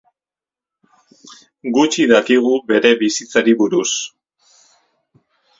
Gutxi dakigu bere bizitzari buruz.